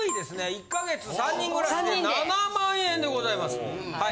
１か月３人暮らしで７万円でございます。